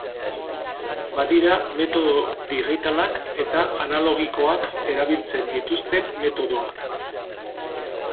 Badira metodo digitalak eta analogikoak erabiltzen dituzten metodoak.